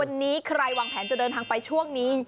วันนี้ใครวางแผนจะเดินทางไปช่วงนี้